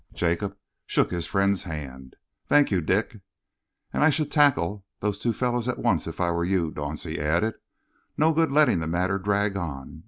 Jacob shook his friend's hand. "Thank you, Dick." "And I should tackle those fellows at once, if I were you," Dauncey added. "No good letting the matter drag on.